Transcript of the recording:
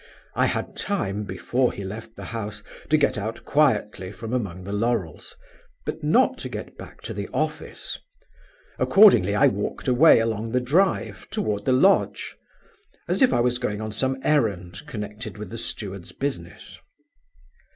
I had time, before he left the house, to get out quietly from among the laurels, but not to get back to the office. Accordingly I walked away along the drive toward the lodge, as if I was going on some errand connected with the steward's business.